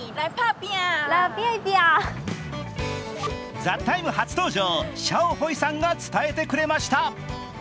「ＴＨＥＴＩＭＥ，」初登場、シャオホイさんが伝えてくれました。